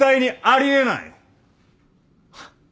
あり得ない？